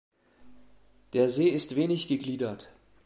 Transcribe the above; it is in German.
Der See ist wenig gegliedert.